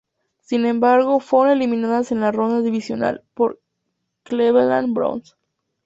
Sin embargo, fueron eliminados en la Ronda Divisional por los Cleveland Browns.